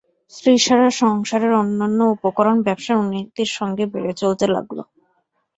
স্ত্রী ছাড়া সংসারের অন্যান্য উপকরণ ব্যবসার উন্নতির সঙ্গে বেড়ে চলতে লাগল।